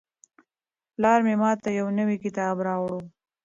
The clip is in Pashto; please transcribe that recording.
پلار مې ماته یو نوی کتاب راوړ.